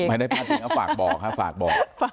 ไม่ได้พาดพิงก็ฝากบอกค่ะฝากบอก